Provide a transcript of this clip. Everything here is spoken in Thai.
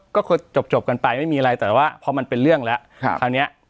ก็คือจบกันไปไม่มีอะไรแต่ว่าพอมันเป็นเรื่องแล้วคราวนี้